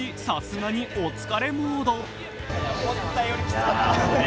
さすがにお疲れモード。